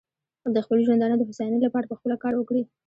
د خپل ژوندانه د هوساینې لپاره پخپله کار وکړي.